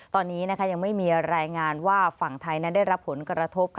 ตอนนี้ยังไม่มีรายงานว่าฝั่งไทยนั้นได้รับผลกระทบ